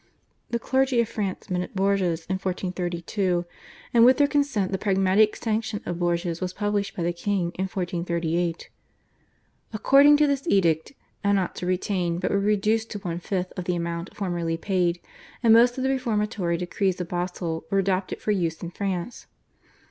The clergy of France met at Bourges in 1432, and with their consent the Pragmatic Sanction of Bourges was published by the king in 1438. According to this edict annats were retained, but were reduced to one fifth of the amount formerly paid, and most of the reformatory decrees of Basle were adopted for use in France.